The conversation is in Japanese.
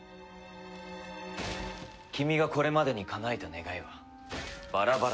君がこれまでにかなえた願いはバラバラだ。